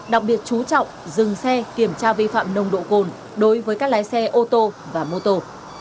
đặc biệt chú trọng dừng xe kiểm tra vi phạm nồng độ cồn đối với các lái xe ô tô và mô tô